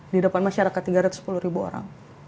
di depan masyarakat tiga ratus sepuluh ribu orang